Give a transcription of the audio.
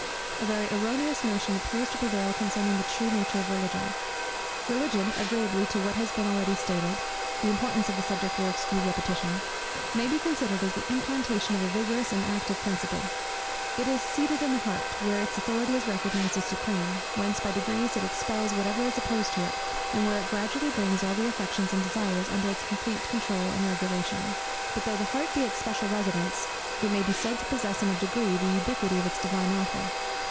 A very erroneous notion appears to prevail concerning the true nature of Religion. Religion, agreeably to what has been already stated, (the importance of the subject will excuse repetition) may be considered as the implantation of a vigorous and active principle; it is seated in the heart, where its authority is recognized as supreme, whence by degrees it expels whatever is opposed to it, and where it gradually brings all the affections and desires under its complete controul and regulation. But though the heart be its special residence, it may be said to possess in a degree the ubiquity of its Divine Author.